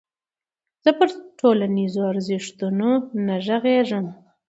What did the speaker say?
زه پر ټولنيزو ارزښتونو نه غږېږم.